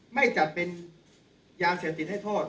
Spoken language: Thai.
ไม่จัดเป็นยาเสพติดให้โทษ